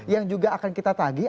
yang juga akan kita tagi